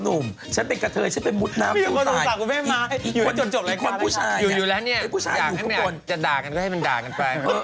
อยู่แล้วเนี่ยอยากให้มันอยากจะด่ากันก็ให้มันด่ากันไป